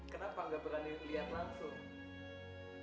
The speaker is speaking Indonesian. kenapa gak berani melihat langsung